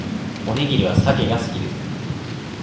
おにぎりはサケが好きです